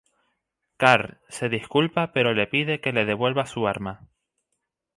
Carl se disculpa pero le pide que le devuelva su arma.